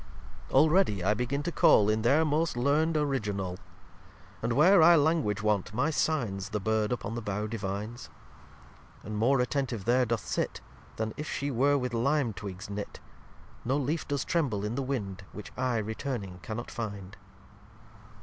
lxxii Already I begin to call In their most learned Original: And where I Language want, my Signs The Bird upon the Bough divines; And more attentive there doth sit Then if She were with Lime twigs knit. No Leaf does tremble in the Wind Which I returning cannot find.